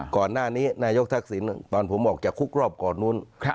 ก่อนหน้านี้นายกทักษิณตอนผมออกจากคุกรอบก่อนนู้น